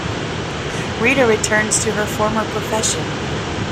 Rita returns to her former profession.